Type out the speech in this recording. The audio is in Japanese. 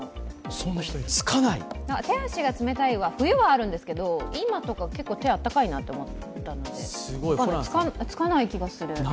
手足が冷たいは冬はあるんですけど今とか、結構手が温かいなと思ったので、つかない気がする。